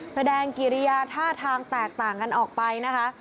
แสดงกิริยาท่าทางแตกต่างกันออกไปนะคะ